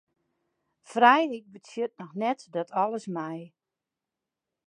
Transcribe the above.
Frijheid betsjut noch net dat alles mei.